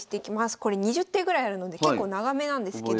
これ２０手ぐらいあるので結構長めなんですけど。